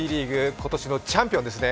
今年のチャンピオンですね。